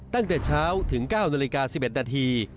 ตั้งแต่เช้าถึง๙นาฬิกา๑๑นาที